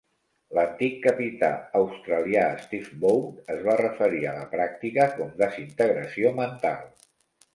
L'antic capità australià Steve Waugh es va referir a la pràctica com "desintegració mental".